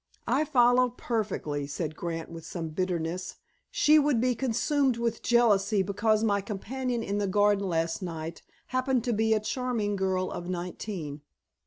"I follow perfectly," said Grant, with some bitterness. "She would be consumed with jealousy because my companion in the garden last night happened to be a charming girl of nineteen."